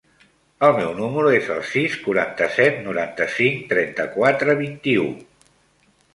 El meu número es el sis, quaranta-set, noranta-cinc, trenta-quatre, vint-i-u.